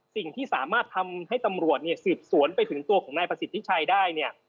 สิ่งที่สามารถทำให้ตำรวจเนี่ยสืบสวนไปถึงตัวของนายประสิทธิชัยได้เนี่ย